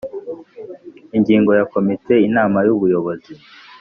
Ingingo ya komitey inama y ubuyobozi